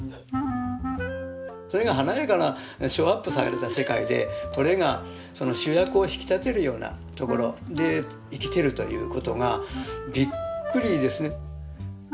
それが華やかなショーアップされた世界でこれが主役を引き立てるようなところで生きてるということがびっくりですね。